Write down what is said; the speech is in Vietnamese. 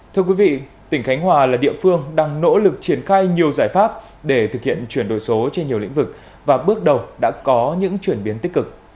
thưa quý vị tỉnh khánh hòa là địa phương đang nỗ lực triển khai nhiều giải pháp để thực hiện chuyển đổi số trên nhiều lĩnh vực và bước đầu đã có những chuyển biến tích cực